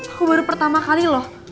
aku baru pertama kali loh